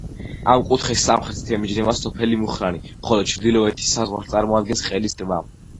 ამ კუთხეს სამხრეთით ემიჯნება სოფელი მუხრანი, ხოლო ჩრდილოეთის საზღვარს წარმოადგენს ყელის ტბა.